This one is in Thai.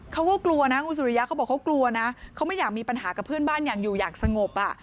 เขาก็กลัวนะคุณสุริยะเขาบอกเขากลัวนะเขาไม่อยากมีปัญหากับเพื่อนบ้านอย่างอยู่อย่างสงบอ่ะ